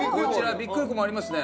ビッグエコーもありますね。